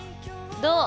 どう？